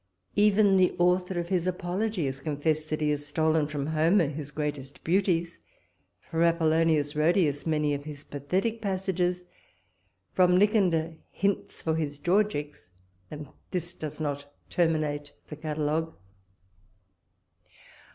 Even the author of his apology has confessed, that he has stolen from Homer his greatest beauties; from Apollonius Rhodius, many of his pathetic passages; from Nicander, hints for his Georgies; and this does not terminate the catalogue.